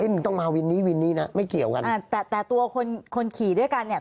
มึงต้องมาวินนี้วินนี้นะไม่เกี่ยวกันอ่าแต่แต่ตัวคนคนขี่ด้วยกันเนี่ย